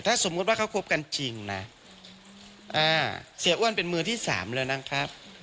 ถ้าสมมุติว่าเขาคบกันจริงนะเสียอ้วนเป็นมือที่สามแล้วนะครับ